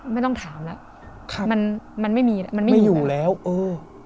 ไม่ต้องถามแล้วครับมันมันไม่มีแล้วมันไม่มีไม่อยู่แล้วเออ